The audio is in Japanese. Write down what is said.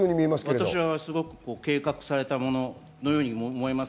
私は計画されたもののように思います。